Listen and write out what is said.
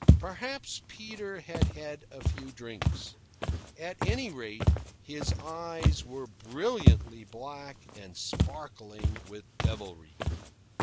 Perhaps Peter had had a few drinks. At any rate, his eyes were brilliantly black and sparkling with devilry.